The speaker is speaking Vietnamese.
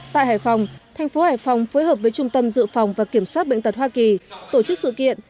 tại hải phòng thành phố hải phòng phối hợp với trung tâm dự phòng và kiểm soát bệnh tật hoa kỳ tổ chức sự kiện